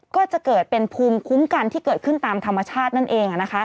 ก็จะเกิดเป็นภูมิคุ้มกันที่เกิดขึ้นตามธรรมชาตินั่นเอง